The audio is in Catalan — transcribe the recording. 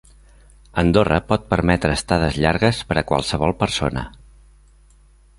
Andorra pot permetre estades llargues per a qualsevol persona.